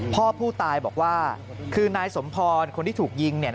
พ่อผู้ตายบอกว่าคือนายสมพรคนที่ถูกยิงเนี่ย